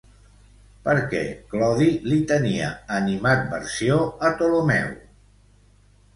Per què Clodi li tenia animadversió a Ptolemeu?